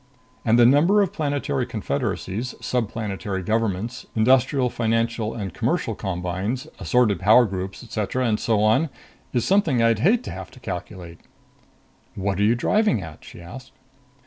"And the number of planetary confederacies, subplanetary governments, industrial, financial and commercial combines, assorted power groups, etc. and so on, is something I'd hate to have to calculate." "What are you driving at?" she asked.